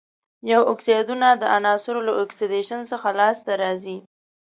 ټول اکسایدونه د عناصرو له اکسیدیشن څخه لاس ته راځي.